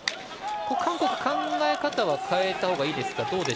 韓国、考え方は変えたほうがいいですか。